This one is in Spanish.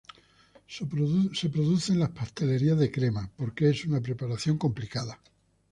Se produce en las pastelerías de Crema, porque es una preparación complicada.